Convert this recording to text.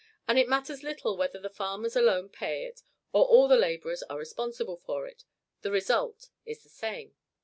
and it matters little whether the farmers alone pay it, or all the laborers are responsible for it, the result is the same.